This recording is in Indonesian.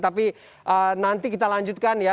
tapi nanti kita lanjutkan ya